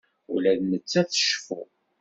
Ula d nettat tceffu.